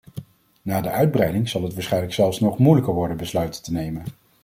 Na de uitbreiding zal het waarschijnlijk zelfs nog moeilijker worden besluiten te nemen.